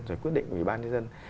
rồi quyết định của ủy ban nhân dân